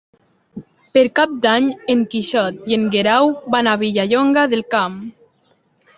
Per Cap d'Any en Quixot i en Guerau van a Vilallonga del Camp.